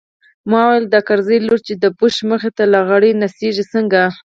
ما وويل او د کرزي لور چې د بوش مخې ته لغړه نڅېږي څنګه.